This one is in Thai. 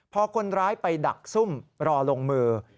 พอคนร้ายไปดักซุ่มรอลงมือ